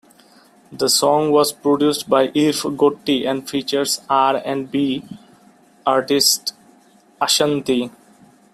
The song was produced by Irv Gotti and features R and B artist Ashanti.